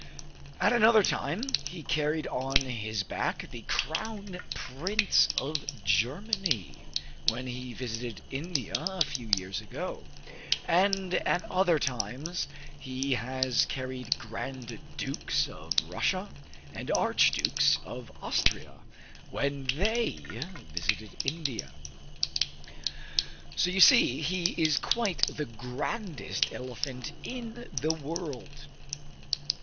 At another time he carried on his back the Crown Prince of Germany, when he visited India a few years ago; and at other times he has carried Grand Dukes of Russia and Arch Dukes of Austria when they visited India. So you see, he is quite the grandest elephant in the world.